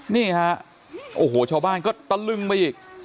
นี่ฮะโอ้โหชาวบ้านก็ตะลึงไปอีก